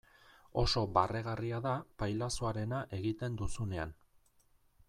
Oso barregarria da pailazoarena egiten duzunean.